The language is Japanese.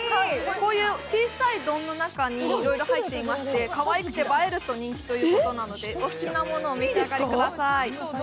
こういう小さい丼の中にいろいろ入っていましてかわいくて映えると人気ということですので、お好きなものをお召し上がりください。